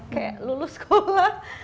kayak lulus sekolah